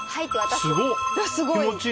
すごい！